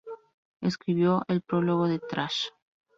Escribió el prólogo de "Trash.